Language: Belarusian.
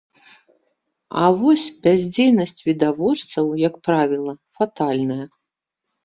А вось бяздзейнасць відавочцаў, як правіла, фатальная.